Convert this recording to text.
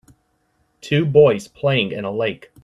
Two boys playing in a lake.